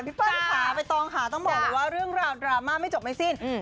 พี่เปิ้ลค่ะไปต้องหาต้องบอกว่าเรื่องราวดราม่าไม่จบไม่สิ้น